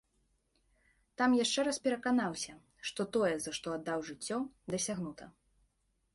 Там яшчэ раз пераканаўся, што тое, за што аддаў жыццё, дасягнута.